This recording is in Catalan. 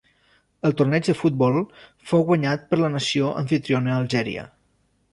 El torneig de futbol fou guanyat per la nació amfitriona Algèria.